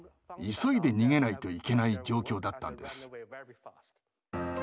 急いで逃げないといけない状況だったんです。